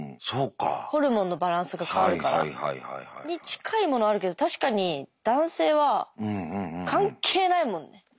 近いものあるけど確かに男性は関係ないもんね。